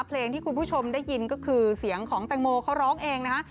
เพลงที่คุณผู้ชมได้ยินก็คือเสียงของแตงโมเขาร้องเองนะฮะ